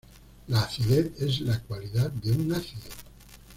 La acidez es la cualidad de un ácido.